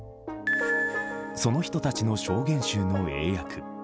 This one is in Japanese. その人たちの証言集の英訳。